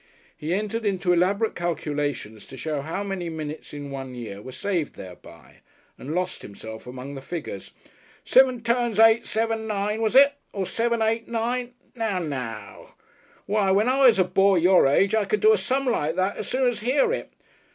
He entered into elaborate calculations to show how many minutes in one year were saved thereby, and lost himself among the figures. "Seven tums eight seven nine was it? Or seven eight nine? Now, now! Why, when I was a boy your age I c'd do a sum like that as soon as hear it.